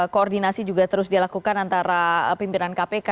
koordinasi juga terus dilakukan antara pimpinan kpk